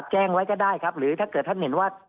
แจ้งไว้ก็ได้ครับหรือถ้าเกิดท่านเห็นว่า